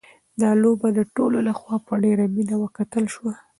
دا لوبه د ټولو لخوا په ډېره مینه وکتل شوه.